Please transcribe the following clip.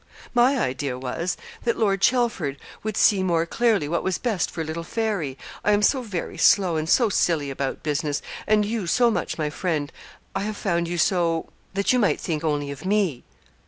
'My idea was, that Lord Chelford would see more clearly what was best for little Fairy. I am so very slow and so silly about business, and you so much my friend I have found you so that you might think only of me.'